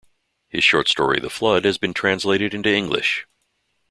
His short story "The Flood" has been translated into English.